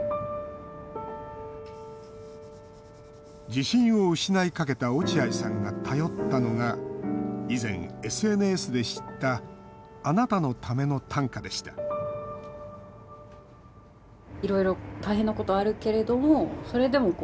自信を失いかけた落合さんが頼ったのが以前、ＳＮＳで知った「あなたのための短歌」でした依頼を受けた木下さん。